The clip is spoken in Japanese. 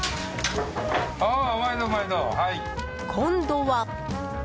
今度は。